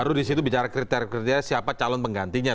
baru disitu bicara kriteria kriteria siapa calon penggantinya